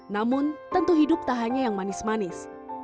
namun tentu hidup tak hanya yang manis manis